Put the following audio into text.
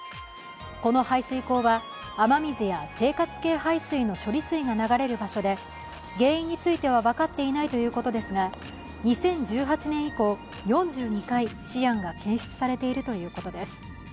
この排水口は雨水や生活系排水の処理水が流れる場所で、原因については分かっていないということですが２０１８年以降、４２回、シアンが検出されているということです。